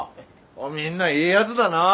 みんないいやづだなぁ。